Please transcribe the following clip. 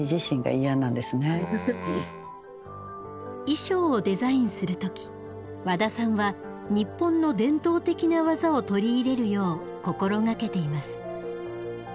衣装をデザインする時ワダさんは日本の伝統的な技を取り入れるよう心掛けています。